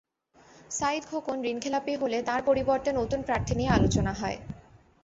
সাঈদ খোকন ঋণখেলাপি হলে তাঁর পরিবর্তে নতুন প্রার্থী নিয়ে আলোচনা হয়।